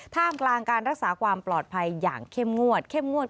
ท่ามกลางการรักษาความปลอดภัยอย่างเข้มงวดเข้มงวด